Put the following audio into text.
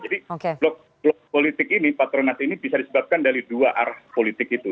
jadi blok blok politik ini patronat ini bisa disebabkan dari dua arah politik itu